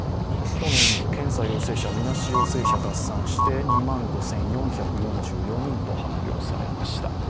今日の人数、検査陽性者みなし陽性者合算して２万５４４４人と発表されました。